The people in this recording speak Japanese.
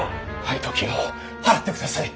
配当金を払ってください。